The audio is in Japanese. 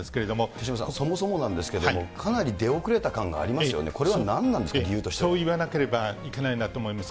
手嶋さん、そもそもなんですけれども、かなり出遅れた感がありますよね、これは何なんですか、そう言わなければいけないなと思います。